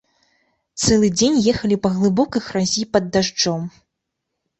Цэлы дзень ехалі па глыбокай гразі пад дажджом.